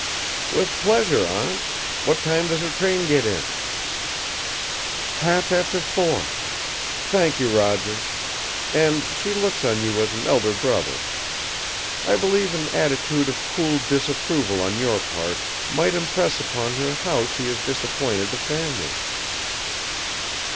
"With pleasure, Aunt! What time does her train get in?" "Half after four. Thank you, Roger. And, she looks on you as an elder brother. I believe an attitude of cool disapproval on your part might impress upon her how she has disappointed the family."